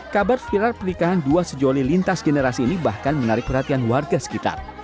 kabar viral pernikahan dua sejoli lintas generasi ini bahkan menarik perhatian warga sekitar